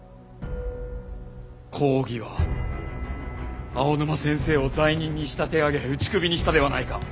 公儀は青沼先生を罪人に仕立て上げ打ち首にしたではないか！